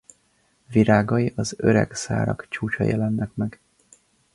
Virágai az öreg szárak csúcsai jelennek meg.